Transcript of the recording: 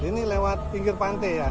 ini lewat pinggir pantai ya